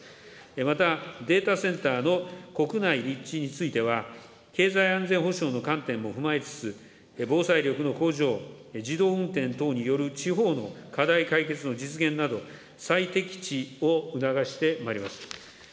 また、データセンターの国内立地については、経済安全保障の観点も踏まえつつ、防災力の向上、自動運転等による地方の課題解決の実現など、さいてきちを促してまいります。